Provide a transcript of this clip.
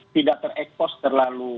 tidak terekos terlalu